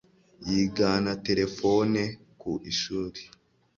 yigana terefone ku ishuri